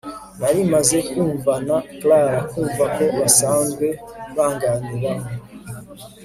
nari maze kumvana Clara nkumva ko basanzwe banganiraho